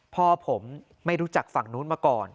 พ่อผมไม่รู้จักฝั่งนู้นมาก่อน